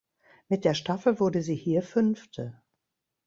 Mit der Staffel wurde sie hier Fünfte.